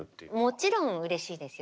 もちろんうれしいですよ。